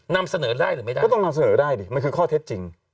นำเสนอได้หรือไม่ได้ก็ต้องนำเสนอได้ดิมันคือข้อเท็จจริง